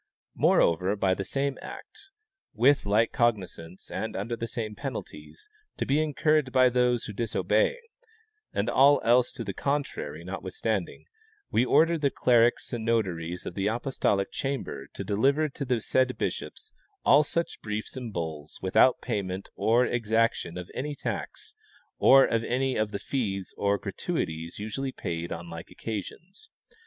Moreover, by the same act, with like cognizance and under the same penalties, to be incurred by those who dis obey, and all else to the contrary notwithstanding, we order the clerics and notaries of the apostolic chamber to deliver to the said bishops all such briefs and bulls without payment or exac tion of any tax or of any of the fees or gratuities usually paid on like occasions.